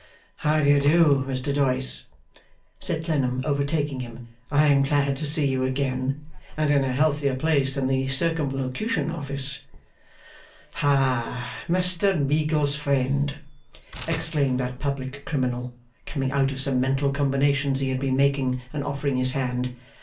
'How do you do, Mr Doyce?' said Clennam, overtaking him. 'I am glad to see you again, and in a healthier place than the Circumlocution Office.' 'Ha! Mr Meagles's friend!' exclaimed that public criminal, coming out of some mental combinations he had been making, and offering his hand.